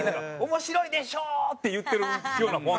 面白いでしょ！って言ってるようなフォントとか。